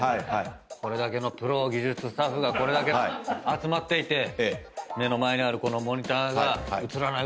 これだけのプロ技術スタッフが集まっていて目の前にあるこのモニターが「映らない！